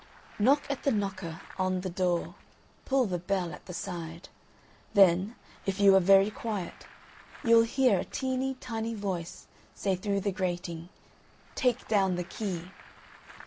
_ Knock at the Knocker on the Door, Pull the Bell at the side, _Then, if you are very quiet, you will hear a teeny tiny voice say through the grating "Take down the Key."